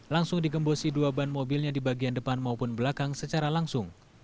langsung digembosi dua ban mobilnya di bagian depan maupun belakang secara langsung